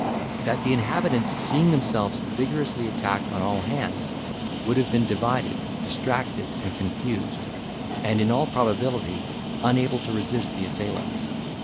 that the inhabitants, seeing themselves vigorously attacked on all hands, would have been divided, distracted, and confused, and in all probability, unable to resist the assailants.